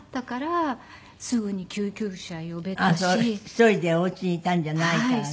１人でお家にいたんじゃないからね。